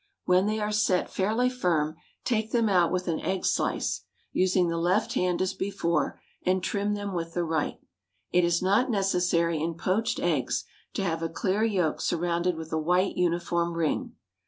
When they are set fairly firm take them out with an egg slice, using the left hand as before, and trim them with the right. It is not necessary, in poached eggs, to have a clear yolk surrounded with a white uniform ring.